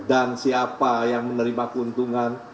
dan siapa yang menerima keuntungan